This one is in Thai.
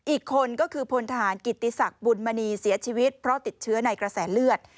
อีกคนก็คือพลทหารกิติศักดิ์บุญมณีเสียชีวิตเพราะติดเชื้อในกระแสเลือด